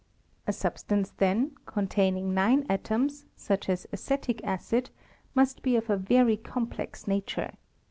A substance then, containing nine atoms, such as acetic acid, must be of a very complex nature.